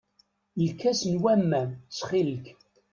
Lkas n waman, ttxil-k.